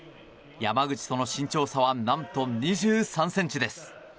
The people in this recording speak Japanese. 山口との身長差は何と２３ｃｍｃです。